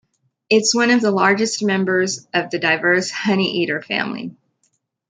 It is one of the largest members of the diverse honeyeater family.